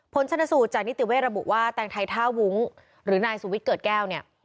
ชนสูตรจากนิติเวทระบุว่าแตงไทยท่าวุ้งหรือนายสุวิทย์เกิดแก้วเนี่ย